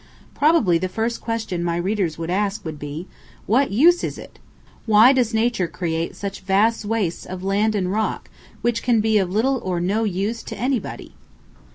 Probably the first question my readers would ask would be, "What use is it?" Why does Nature create such vast wastes of land and rock which can be of little or no use to anybody?